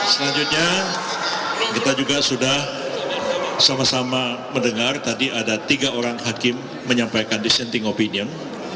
selanjutnya kita juga sudah sama sama mendengar tadi ada tiga orang hakim menyampaikan dissenting opinion